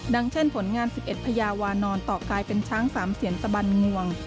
เช่นผลงาน๑๑พญาวานอนต่อกลายเป็นช้างสามเสียนตะบันงวง